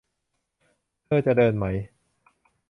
เธอจะเดินไหม